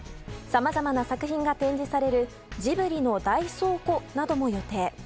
さまざまな作品が展示されるジブリの大倉庫なども予定。